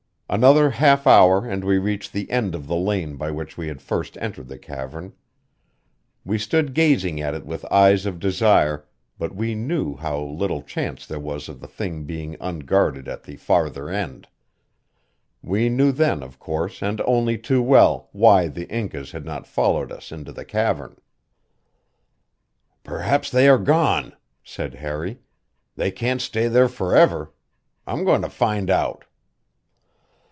Another half hour and we reached the end of the lane by which we had first entered the cavern. We stood gazing at it with eyes of desire, but we knew how little chance there was of the thing being unguarded at the farther end. We knew then, of course, and only too well, why the Incas had not followed us into the cavern. "Perhaps they are gone," said Harry. "They can't stay there forever. I'm going to find out."